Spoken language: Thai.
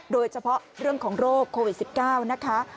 โดยเฉพาะเรื่องของโรคโควิด๑๙นะคะ